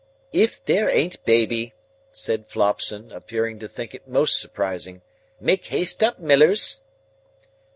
"If there ain't Baby!" said Flopson, appearing to think it most surprising. "Make haste up, Millers."